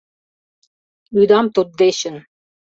Лӱдам туддечын.